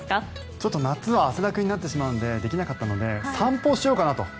ちょっと夏は汗だくになってしまうのでできなかったので散歩をしようかなと。